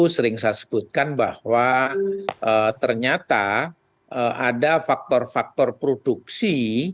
sering saya sebutkan bahwa ternyata ada faktor faktor produksi